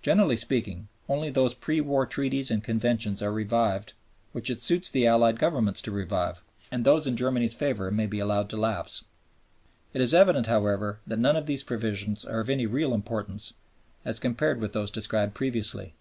Generally speaking, only those pre war treaties and conventions are revived which it suits the Allied Governments to revive, and those in Germany's favor may be allowed to lapse. It is evident, however, that none of these provisions are of any real importance, as compared with those described previously.